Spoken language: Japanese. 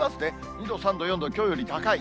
２度、３度、４度、きょうより高い。